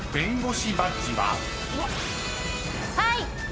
はい！